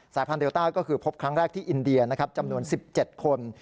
สายพันธเลต้าก็คือพบครั้งแรกที่อินเดียนะครับจำนวน๑๗คน